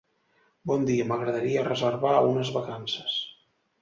Bon dia, m'agradaria reservar unes vacances.